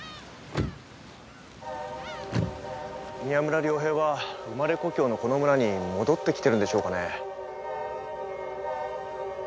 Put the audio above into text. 宮村涼平は生まれ故郷のこの村に戻ってきてるんでしょうかね？